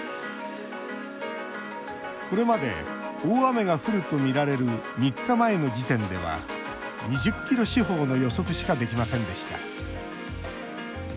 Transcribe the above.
これまで、大雨が降るとみられる３日前の時点では２０ｋｍ四方の予測しかできませんでした。